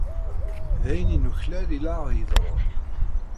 D ayen i nuklal i la aɣ-iḍerrun.